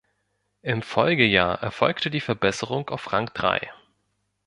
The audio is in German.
Im Folgejahr erfolgte die Verbesserung auf Rang drei.